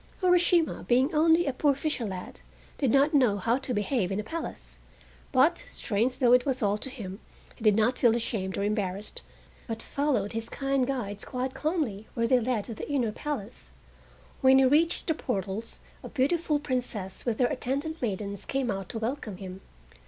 Urashima, being only a poor fisher lad, did not know how to behave in a palace; but, strange though it was all to him, he did not feel ashamed or embarrassed, but followed his kind guides quite calmly where they led to the inner palace. When he reached the portals a beautiful Princess with her attendant maidens came out to welcome him.